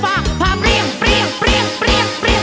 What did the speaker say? ฟ้าภาพเรียงเปรี้ยงเปรี้ยงเปรี้ยงเปรี้ยง